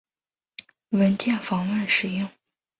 文件访问使用。